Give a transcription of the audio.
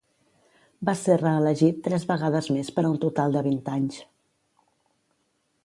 Va ser reelegit tres vegades més per un total de vint anys.